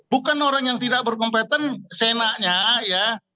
bukan orang yang tidak berkompeten senanya ya